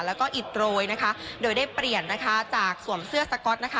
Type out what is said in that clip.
แล้วก็อิดโรยนะคะโดยได้เปลี่ยนนะคะจากสวมเสื้อสก๊อตนะคะ